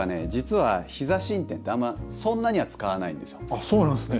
あそうなんですね。